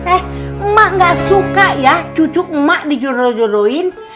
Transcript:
eh emak gak suka ya cucuk emak dijodohin